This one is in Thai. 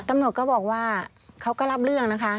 ตำรวจก็บอกว่าเขาก็รับเรื่องนะคะ